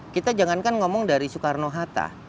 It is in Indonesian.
kita jangankan ngomong dari soekarno hatta